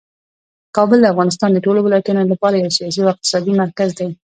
کابل د افغانستان د ټولو ولایتونو لپاره یو سیاسي او اقتصادي مرکز دی.